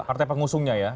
partai pengusungnya ya